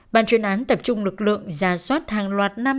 bàn truyền án tập trung lực lượng ra soát hàng loạt năm tháng